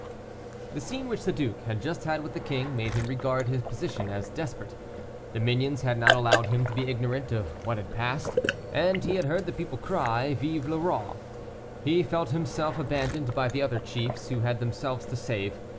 The scene which the duke had just had with the king made him regard his position as desperate. The minions had not allowed him to be ignorant of what had passed, and he had heard the people cry, "Vive le roi!" He felt himself abandoned by the other chiefs, who had themselves to save.